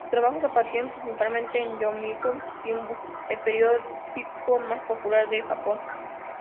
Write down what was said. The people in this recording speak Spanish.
Sus trabajos aparecieron principalmente en Yomiuri Shimbun, el periódico más popular de Japón.